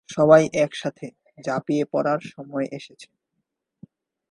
সবাই একসাথে ঝাঁপিয়ে পড়ার সময় এসেছে।